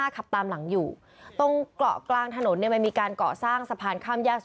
คลองเตยข้ามไปถึงพระราม๓